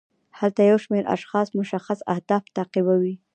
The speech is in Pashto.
هلته یو شمیر اشخاص مشخص اهداف تعقیبوي.